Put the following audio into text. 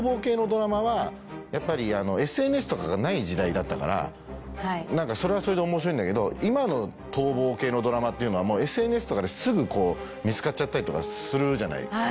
時代だったからそれはそれで面白いんだけど今の逃亡系のドラマっていうのはＳＮＳとかですぐ見つかっちゃったりとかするじゃないですか。